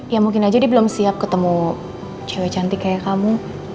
ya mungkin aja dia belum siap ketemu cewek cantik kayak kamu